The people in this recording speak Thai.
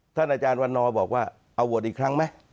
อาจารย์วันนอบอกว่าเอาโหวตอีกครั้งไหม